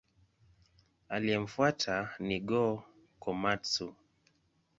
Aliyemfuata ni Go-Komatsu.